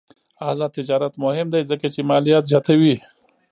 آزاد تجارت مهم دی ځکه چې مالیات زیاتوي.